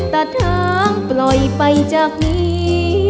แต่ทางปล่อยไปจากนี้